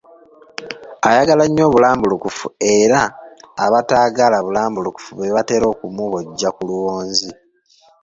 Ayagala nnyo obulambulukufu era abataagala bulambulukufu be batera okumubojja ku luwonzi.